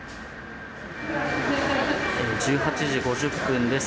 １８時５０分です。